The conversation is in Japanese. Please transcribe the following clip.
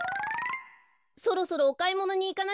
そろそろおかいものにいかなきゃ。